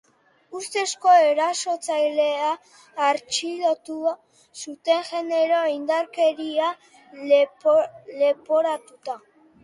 Ustezko erasotzailea artxilotu zuten genero indarkeria leporatuta.